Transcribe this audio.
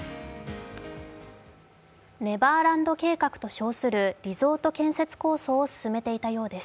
ネバーランド計画と称する、リゾート建設構想を進めていたようです。